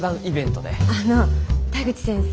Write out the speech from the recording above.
あの田口先生。